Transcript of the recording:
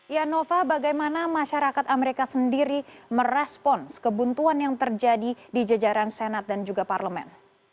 ya nova bagaimana masyarakat amerika sendiri merespons kebuntuan yang terjadi di jajaran senat dan juga parlemen